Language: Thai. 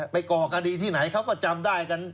ก่อคดีที่ไหนเขาก็จำได้กัน